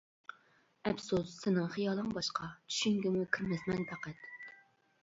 ئەپسۇس سېنىڭ خىيالىڭ باشقا، چۈشۈڭگىمۇ كىرمەسمەن پەقەت.